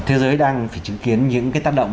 thế giới đang phải chứng kiến những cái tác động